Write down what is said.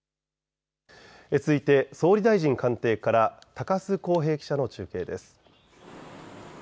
続いて総理大臣官邸から高洲康平記者の中継です。